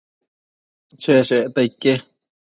cheshecta ique